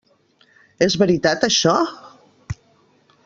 És veritat això?